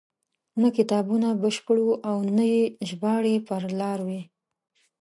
نه کتابونه بشپړ وو او نه یې ژباړې پر لار وې.